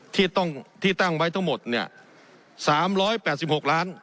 ที่ต้องที่ตั้งไว้ทั้งหมดเนี่ยสามร้อยแปดสิบหกล้าน